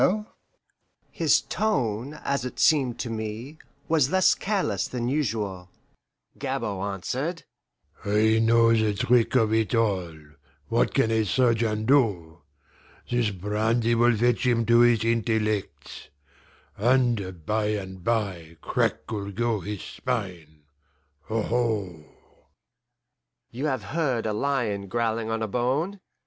His tone, as it seemed to me, was less careless than usual. Gabord answered, "I know the trick of it all what can a surgeon do? This brandy will fetch him to his intellects. And by and bye crack'll go his spine aho!" You have heard a lion growling on a bone.